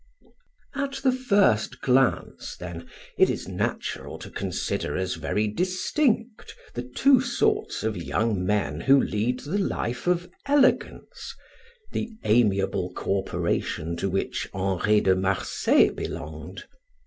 At the first glance, then, it is natural to consider as very distinct the two sorts of young men who lead the life of elegance, the amiable corporation to which Henri de Marsay belonged.